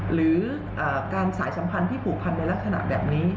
หรือการสายสัมพันธ์ที่ผูกพันในลักษณะแบบนี้